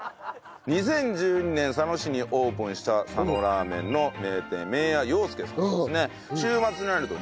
２０１２年佐野市にオープンした佐野ラーメンの名店麺屋ようすけさんですね。